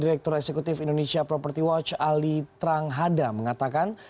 persekutif indonesia property watch ali trang hada mengatakan